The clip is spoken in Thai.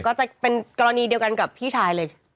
ก็จะเป็นกรณีเดียวกันกับพี่ชายเลย